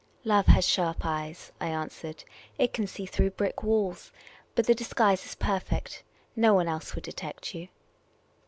'* Love has sharp eyes, '' I answered. It can see through brick walls. But the disguise is perfect. No one else would detect you."